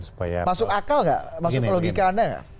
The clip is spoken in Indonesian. masuk akal gak masuk logika anda gak